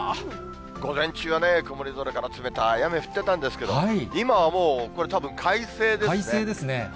午前中はね、曇り空から冷たい雨降ってたんですけれども、今はも快晴ですね。